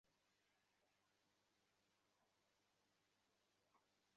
দক্ষিণের হাওয়ায় যে-সব খবরের সৃষ্টি হয়, কুমারসভার খবরের কাগজে তার স্থান নেই।